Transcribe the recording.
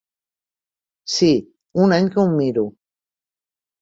Sí, un any que ho miro.